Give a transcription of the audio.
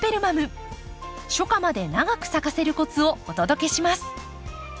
初夏まで長く咲かせるコツをお届けします。